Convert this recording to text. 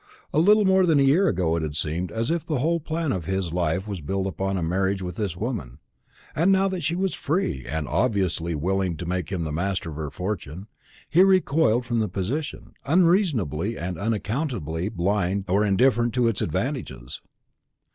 A little more than a year ago it had seemed as if the whole plan of his life was built upon a marriage with this woman; and now that she was free, and obviously willing to make him the master of her fortune, he recoiled from the position, unreasonably and unaccountably blind or indifferent to its advantages.